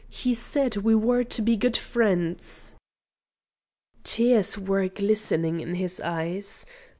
He said we were to be good friends." Tears were glistening in his eyes.